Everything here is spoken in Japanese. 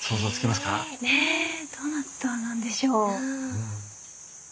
えどなたなんでしょう？